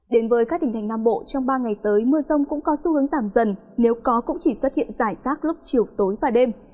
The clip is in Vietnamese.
đến với các tỉnh thành nam bộ trong ba ngày tới mưa rông cũng có xu hướng giảm dần nếu có cũng chỉ xuất hiện rải rác lúc chiều tối và đêm